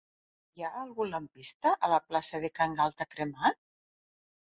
Hi ha algun lampista a la plaça de Can Galta Cremat?